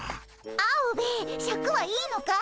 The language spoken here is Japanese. アオベエシャクはいいのかい？